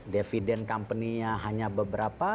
dividend company nya hanya beberapa